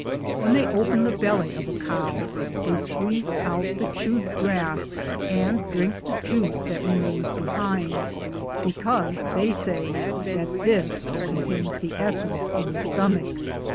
When they open the belly of a cow, they squeeze out the chewed grass and drink the juice that remains behind, be cause they say that this contains the essence of the stomach.